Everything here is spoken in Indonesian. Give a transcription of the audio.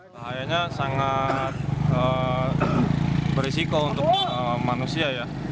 bahayanya sangat berisiko untuk manusia ya